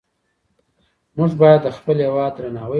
مونږ باید د خپل هیواد درناوی وکړو.